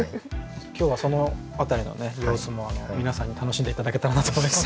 今日はその辺りの様子も皆さんに楽しんで頂けたらなと思います。